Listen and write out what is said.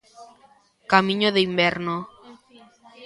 Camiño de inverno.